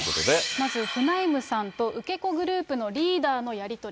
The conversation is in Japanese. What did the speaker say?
まずフナイムさんと受け子グループのリーダーのやり取り。